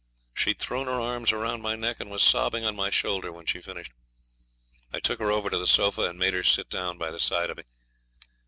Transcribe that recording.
She'd thrown her arms round my neck and was sobbing on my shoulder when she finished. I took her over to the sofa, and made her sit down by the side of me.